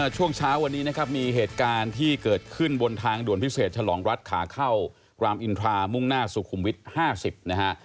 ช่วงเช้าวันนี้นะครับมีเหตุการณ์ที่เกิดขึ้นบนทางด่วนพิเศษฉลองรัฐขาเข้ารามอินทรามุ่งหน้าสุขุมวิทย์๕๐นะฮะ